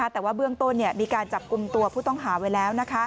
แต่ว่าเบื้องต้นมีการจับกลุ่มตัวผู้ต้องหาไว้แล้ว